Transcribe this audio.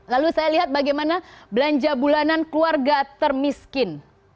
lalu saya lihat bagaimana belanja bulanan keluarga termiskin